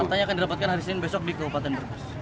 rencananya akan didapatkan hari senin besok di kabupaten brebes